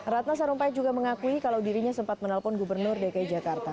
ratna sarumpait juga mengakui kalau dirinya sempat menelpon gubernur dki jakarta